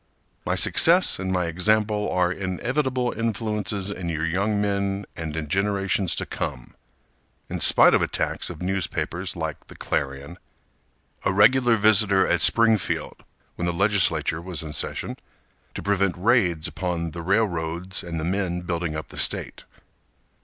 My success and my example are inevitable influences In your young men and in generations to come, In spite of attacks of newspapers like the Clarion; A regular visitor at Springfield When the Legislature was in session To prevent raids upon the railroads And the men building up the state.